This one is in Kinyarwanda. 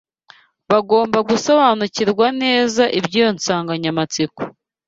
Bagomba gusobanurirwa neza iby’iyo nsanganyamatsiko